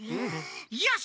よし！